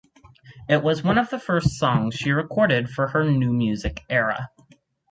It was one of the first songs she recorded for her "new music era".